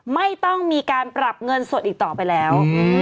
ไม่ต้องมีการปรับเงินสดอีกต่อไปแล้ว